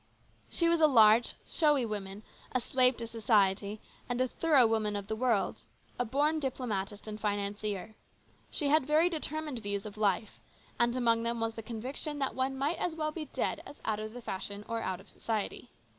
She was a large, showy woman, a slave to society, and a thorough woman of the world ; a born diplomatist and financier. She had very determined views of life, and among them was the conviction that one might as well be dead as out of the fashion or out of society.